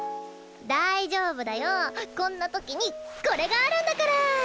大丈夫だよこんな時にこれがあるんだから。